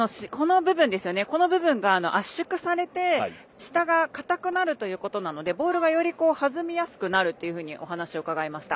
この部分が圧縮されて下が固くなるということなのでボールがより弾みやすくなるというふうにお話を伺いました。